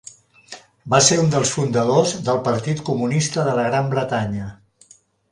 Va ser un dels fundadors del Partit Comunista de la Gran Bretanya.